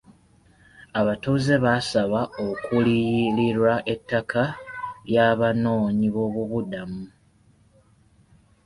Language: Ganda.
Abatuuze baasaba okuliyirirwa ettaka ly'abanoonyi boobubudamu.